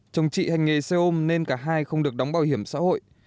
chồng chị hành nghề xe ôm nên cả hai không được đóng bảo hiểm xã hội